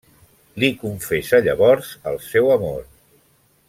Li confessa llavors el seu amor.